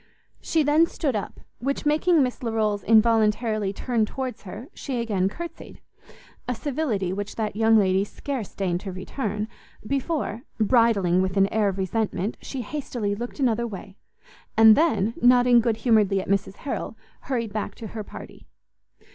She then stood up, which making Miss Larolles involuntarily turn towards her, she again courtsied; a civility which that young lady scarce deigned to return, before, bridling with an air of resentment, she hastily looked another way, and then, nodding good humouredly at Mrs Harrel, hurried back to her party.